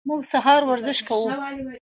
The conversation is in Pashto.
موږ سهار ورزش کوو.